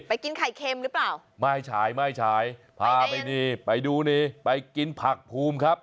กินไข่เค็มหรือเปล่าไม่ฉายไม่ฉายพาไปนี่ไปดูนี่ไปกินผักภูมิครับ